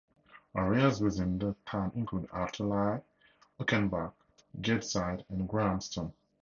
Areas within the town include, Arthurlie, Auchenback, Gateside and Grahamston.